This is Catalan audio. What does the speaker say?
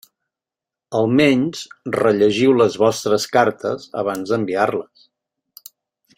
Almenys rellegiu les vostres cartes abans d'enviar-les.